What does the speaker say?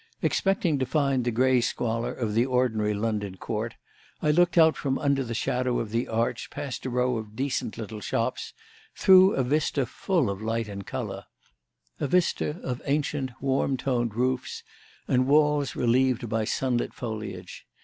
Expecting to find the grey squalor of the ordinary London court, I looked out from under the shadow of the arch past a row of decent little shops through a vista full of light and colour a vista of ancient, warm toned roofs and walls relieved by sunlit foliage.